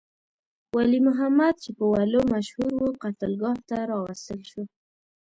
ولی محمد چې په ولو مشهور وو، قتلګاه ته راوستل شو.